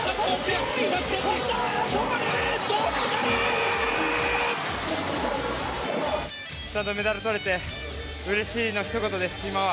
本多、銅メダル。ちゃんとメダルとれてうれしいのひと言です、今は。